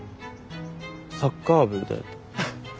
サッカー部だよな。